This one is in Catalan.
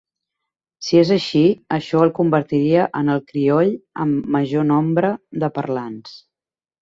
Si és així, això el convertiria en el crioll amb major nombre de parlants.